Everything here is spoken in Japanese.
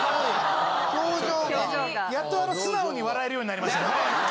・表情が・やっと素直に笑えるようになりました。